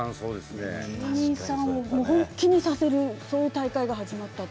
芸人さんを本気にさせる、そういう大会が始まったと。